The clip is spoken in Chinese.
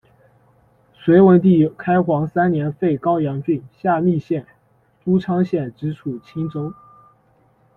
隋文帝开皇三年废高阳郡，下密县、都昌县直属青州。